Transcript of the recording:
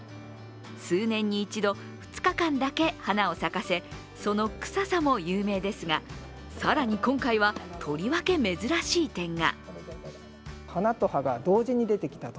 数年に一度、２日間だけ花を咲かせ、その臭さも有名ですが更に今回はとりわけ珍しい点が。